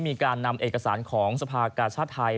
มีการนำเอกสารของสภากาชาติไทย